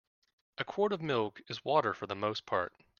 A quart of milk is water for the most part.